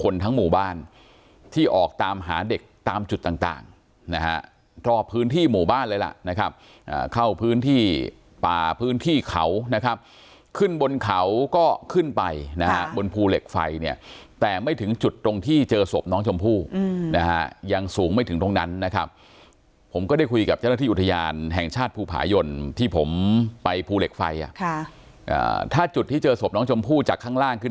นะฮะตรอบพื้นที่หมู่บ้านเลยล่ะนะครับเข้าพื้นที่ป่าพื้นที่เขานะครับขึ้นบนเขาก็ขึ้นไปนะฮะบนภูเหล็กไฟเนี่ยแต่ไม่ถึงจุดตรงที่เจอสวบน้องชมพู่นะฮะยังสูงไม่ถึงตรงนั้นนะครับผมก็ได้คุยกับเจ้าหน้าที่อุทยานแห่งชาติภูผ่ายนที่ผมไปภูเหล็กไฟอ่ะค่ะถ้าจุดที่เจอสวบน้องชมพู่จาก